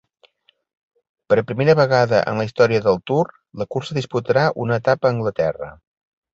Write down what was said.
Per primera vegada en la història del Tour la cursa disputarà una etapa a Anglaterra.